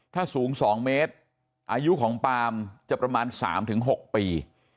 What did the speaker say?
ถ้าสูง๒เมตรอายุของปาล์มจะประมาณ๓๖ปี